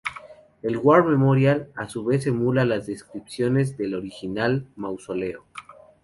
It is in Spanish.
El War Memorial, a su vez, emula las descripciones del original Mausoleo.